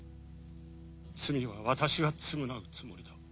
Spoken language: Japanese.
罪は私が償うつもりだ。